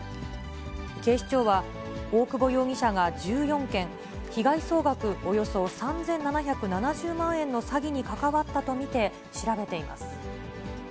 警視庁は、大久保容疑者が、１４件、被害総額およそ３７７０万円の詐欺に関わったと見て調べています。